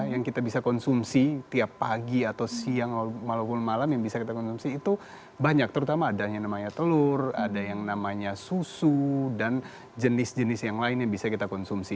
yang kita bisa konsumsi tiap pagi atau siang walaupun malam yang bisa kita konsumsi itu banyak terutama ada yang namanya telur ada yang namanya susu dan jenis jenis yang lain yang bisa kita konsumsi